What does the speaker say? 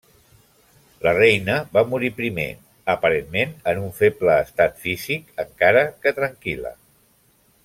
La reina va morir primer, aparentment en un feble estat físic, encara que tranquil·la.